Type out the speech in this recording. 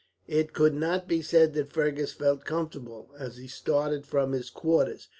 It could not be said that Fergus felt comfortable, as he started from his quarters.